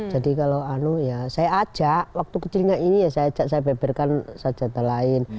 jadi kalau saya ajak waktu kecilnya ini ya saya ajak saya beberkan sajadah lain